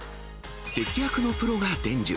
節約のプロが伝授。